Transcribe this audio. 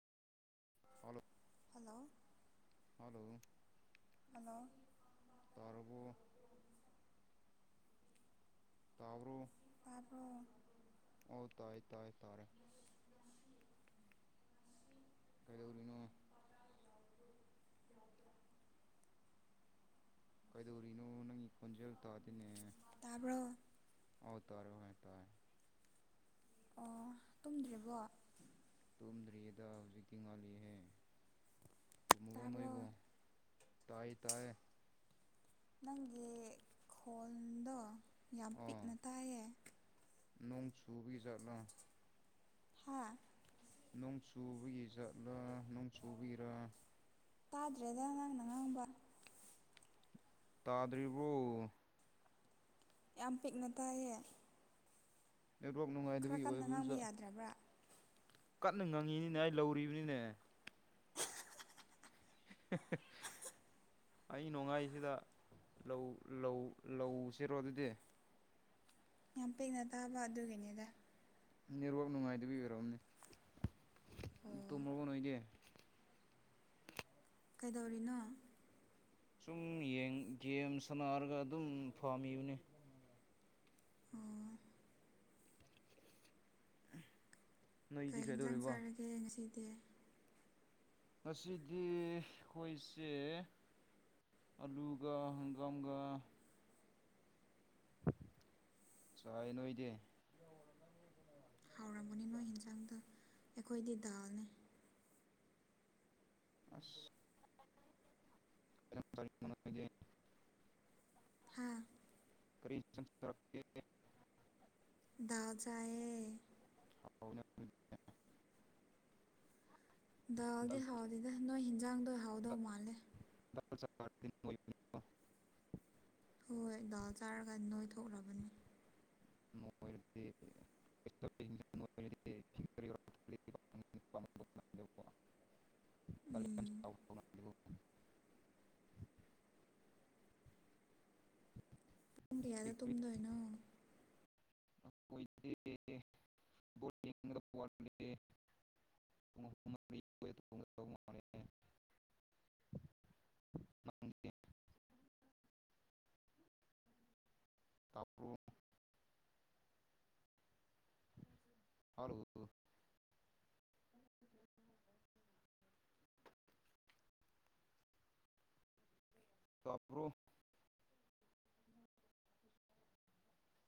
[inaudible] [inaudible] [inaudible] hello ꯇꯥꯔꯕꯣ ꯇꯥꯕꯔꯣ ꯇꯥꯕꯔꯣ ꯑꯣ ꯇꯥꯏ ꯇꯥꯏ ꯇꯥꯔꯦ ꯀꯗꯧꯔꯤꯅꯣ ꯀꯩꯗꯧꯔꯤꯅꯣ ꯅꯪꯒꯤ ꯈꯣꯟꯖꯦꯜ ꯇꯥꯗꯦꯅꯦ ꯇꯥꯕꯔꯣ ꯑꯣ ꯇꯔꯦ ꯍꯣꯏ ꯇꯥꯏ ꯑꯣ ꯇꯨꯝꯗꯔꯤꯕꯣ ꯇꯨꯝꯗ꯭ꯔꯤꯌꯦꯗ ꯍꯧꯖꯤꯛꯀꯤ ꯉꯥꯜꯂꯤꯍꯦ ꯇꯨꯝꯃꯕꯣ ꯇꯥꯕ꯭ꯔꯣ ꯅꯣꯏꯕꯣ ꯇꯥꯏ ꯇꯥꯏꯌꯦ ꯅꯪꯒꯤ ꯈꯣꯟꯗꯣ ꯌꯥꯝ ꯑꯣ ꯄꯤꯛꯅ ꯇꯥꯏꯌꯦ ꯅꯣꯡ ꯆꯨꯕꯤꯒ ꯆꯠꯂꯣ ꯍꯥꯥ ꯅꯣꯡ ꯆꯨꯕꯒꯤ ꯖꯠꯂꯥ ꯅꯣꯡ ꯆꯨꯕꯒꯤꯔꯥ ꯇꯥꯗ꯭ꯔꯦꯗ ꯅꯪꯅ ꯉꯥꯡꯕ ꯇꯥꯗ꯭ꯔꯤꯕꯣ ꯌꯥꯝ ꯄꯤꯛꯅ ꯇꯥꯏꯌꯦ ꯅꯦꯠꯋꯥꯛ ꯈꯔ ꯅꯨꯡꯉꯥꯏꯗꯕꯒꯤ ꯀꯟꯅ ꯉꯥꯡꯕ ꯑꯣꯏꯕꯖ ꯌꯥꯗ꯭ꯔꯕ꯭ꯔꯥ ꯀꯟꯅ ꯉꯪꯉꯤꯅꯤꯅꯦ ꯑꯩ ꯂꯧꯔꯤꯕꯅꯤꯅꯦ [unintelligible] ꯑꯍꯤꯡ ꯅꯣꯡꯉꯥꯏꯁꯤꯗ ꯂꯧ ꯂꯧ ꯂꯧꯁꯤꯔꯣ ꯑꯗꯨꯗꯤ ꯌꯥꯝ ꯄꯤꯛꯅ ꯇꯥꯕ ꯑꯗꯨꯒꯤꯅꯤꯗ ꯅꯦꯠꯋꯥꯛ ꯅꯨꯡꯉꯥꯏꯇꯕꯒꯤ ꯑꯣꯏꯔꯝꯃꯅꯤ ꯑꯣ ꯇꯨꯝꯃꯕꯣ ꯅꯣꯏꯗꯤ ꯀꯩꯗꯧꯔꯤꯅꯣ ꯁꯨꯝ ꯌ‌ꯦꯡ ꯒꯦꯝ ꯁꯥꯟꯅꯔꯒ ꯑꯗꯨꯝ ꯐꯝꯃꯤꯕꯅꯤ ꯑꯣ ꯅꯣꯏꯗꯤ ꯀꯩ ꯍꯤꯟꯖꯥꯡ ꯀꯩꯗꯧꯔꯤꯕ ꯆꯥꯔꯒꯦ ꯉꯁꯤꯗꯤ ꯉꯁꯤꯗꯤ ꯑꯩꯈꯣꯏꯁꯦ ꯑꯂꯨꯒ ꯍꯪꯒꯥꯝꯒꯥ ꯆꯥꯏ ꯅꯣꯏꯗꯤ ꯍꯥꯎꯔꯝꯒꯅꯤ ꯅꯣꯏꯒꯤ ꯍꯤꯟꯖꯥꯡꯗ‌ꯣ ꯑꯩꯈꯣꯏꯗꯤ ꯗꯥꯜꯅꯦ ꯑꯁ [unintelligible] ꯍꯥꯥ ꯀꯔꯤ [inaudible] ꯗꯥꯜ ꯆꯥꯏꯌ‌ꯦ [inaudible] ꯗꯥꯜꯗꯤ ꯍꯥꯎꯗꯦꯗ ꯅꯣꯏ ꯍꯤꯟꯖꯥꯡꯗꯣ ꯍꯥꯎꯗꯧ ꯃꯥꯜꯂꯦ [inaudible] ꯍꯣꯏ ꯗꯥꯜ ꯆꯥꯔꯒ ꯅꯣꯏ ꯊꯣꯛꯔꯕꯅꯤ ꯅꯣꯏꯔꯗꯤ [unintelligible] [inaudible] ꯎꯝ [inaudible] ꯄꯨꯡ ꯀꯌꯥꯗ ꯇꯨꯝꯗꯣꯏꯅꯣ [inaudible] [inaudible] ꯅꯪꯗꯤ ꯇꯥꯕ꯭ꯔꯣ [inaudible] ꯇꯥꯕ꯭ꯔꯣ